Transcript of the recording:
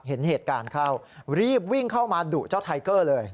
เห็นเหตุการณ์เข้ารีบวิ่งเข้ามาดุเจ้าไทเกอร์เลย